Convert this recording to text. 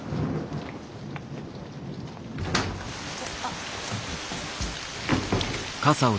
あっ。